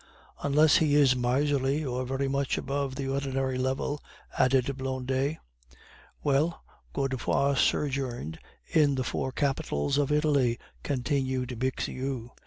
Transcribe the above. "Unless he is miserly, or very much above the ordinary level," added Blondet. "Well, Godefroid sojourned in the four capitals of Italy," continued Bixiou.